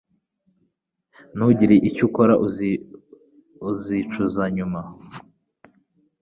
Ntugire icyo ukora uzicuza nyuma